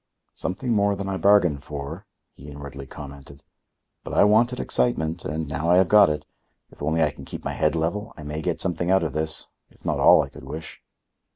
"Something more than I bargained for," he inwardly commented. "But I wanted excitement, and now I have got it. If only I can keep my head level, I may get something out of this, if not all I could wish."